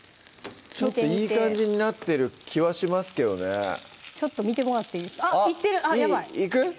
ちょっといい感じになってる気はしますけどねちょっと見てもらっていいですかあっいってるヤバイいく？